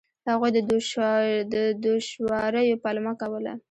هغوی د دوشواریو پلمه کوله.